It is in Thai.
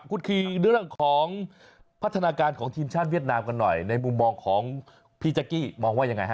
คุณคีย์เรื่องของพัฒนาการของทีมชาติเวียดนามกันหน่อยในมุมมองของพี่แจ๊กกี้มองว่ายังไงฮ